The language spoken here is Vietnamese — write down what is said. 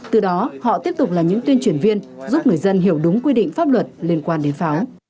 từ đó họ tiếp tục là những tuyên truyền viên giúp người dân hiểu đúng quy định pháp luật liên quan đến pháo